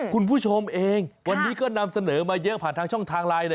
คุณผู้ชมเองวันนี้ก็นำเสนอมาเยอะผ่านทางช่องทางไลน์